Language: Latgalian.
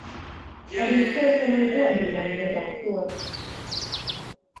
Ari sorkonam uobeļam vydā tuorps.